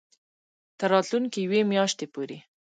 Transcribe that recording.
تر راتلونکې یوې میاشتې پورې